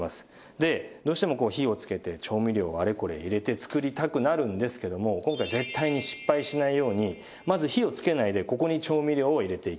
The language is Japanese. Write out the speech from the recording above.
でどうしても火をつけて調味料をあれこれ入れて作りたくなるんですけども今回絶対に失敗しないようにまず火をつけないでここに調味料を入れていきます。